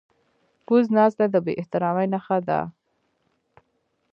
کوږ ناستی د بې احترامي نښه ده